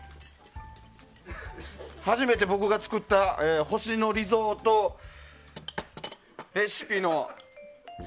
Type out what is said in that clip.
初めて僕が作った星野リゾートレシピの。